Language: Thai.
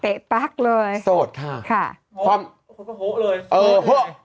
เตะปั๊กเลยโสดค่ะค่ะโฮะโฮะเลยเออโฮะ